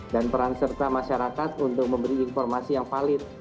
dan peran serta masyarakat untuk memberi informasi yang valid